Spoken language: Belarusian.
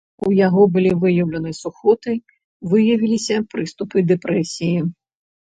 У яго былі выяўлены сухоты, выявіліся прыступы дэпрэсіі.